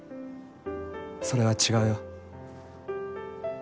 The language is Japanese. それは違うよ。